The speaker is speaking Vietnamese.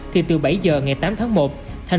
thì từ bảy giờ ngày tám tháng một